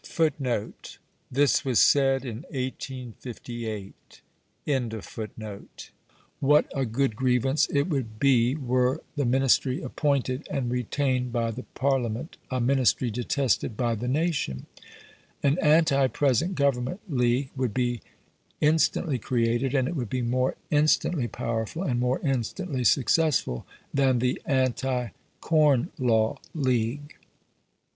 What a good grievance it would be were the Ministry appointed and retained by the Parliament a Ministry detested by the nation. An anti present government league would be instantly created, and it would be more instantly powerful and more instantly successful than the Anti Corn Law League.